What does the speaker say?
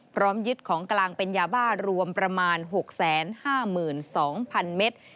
พร้อมยึดของกลางเป็นยาบ้ารวมประมาณ๖๕๒๐๐๐เมตร